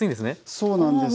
そうなんです。